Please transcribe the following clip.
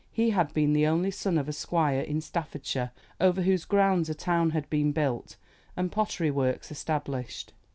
He had been the only son of a squire in Staffordshire over whose grounds a town had been built and pottery works established.